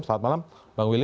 selamat malam bang willy